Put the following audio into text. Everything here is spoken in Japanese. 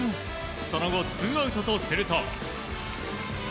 その後ツーアウトとすると。